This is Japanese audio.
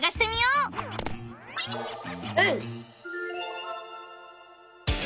うん！